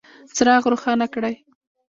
څراغ روښانه کړئ